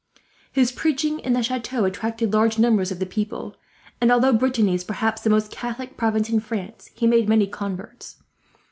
His preaching in the chateau attracted large numbers of people, and although Brittany is perhaps the most Catholic province in France, he made many converts.